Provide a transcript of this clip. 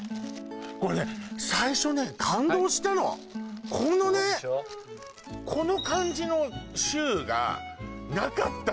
これね最初ね感動したのこのねそうでしょこの感じのシューがなかったのよ